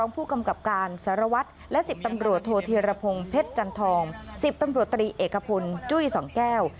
เพชรจันทอง๑๐ตำรวจตรีเอกพลจุ้ยสองแก้ว